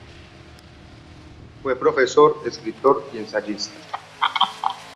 Fue profesor, escritor y ensayista.